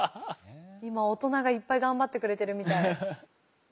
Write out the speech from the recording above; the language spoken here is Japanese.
今大人がいっぱい頑張ってくれてるみたい。